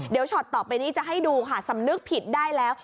เดี๋ยวช็อตต่อไปนี้จะให้ดูค่ะสำนึกผิดได้แล้ว